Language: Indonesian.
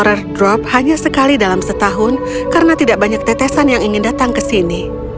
kerajaan ini dikunjungi oleh eksplorasi hanya sekali dalam setahun karena tidak banyak tetesan yang ingin datang ke sini